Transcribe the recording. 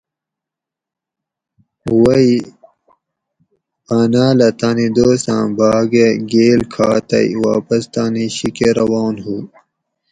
ووئ باٞناٞلہ تانی دوست آۤں بھاٞگٞہ گیل کھا تئ واپس تانی شی کٞہ روان ہُو